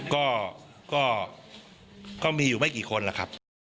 ก็มีอยู่ไม่กี่คนล่ะครับ